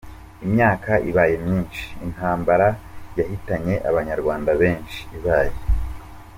Imyaka ibaye myinshi intambara yahitanye abanyarwanda benshi ibaye.